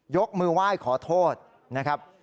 ยกมือไหว้ขอโทษนะครับ